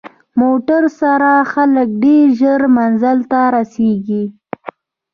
موټر سره خلک ډېر ژر منزل ته رسېږي.